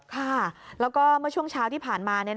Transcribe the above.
ค่ะแล้วก็เมื่อช่วงเช้าที่ผ่านมา